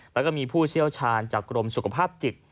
แล้วก็มีผู้เชี่ยวชาญจากกรมสุขภาพจิต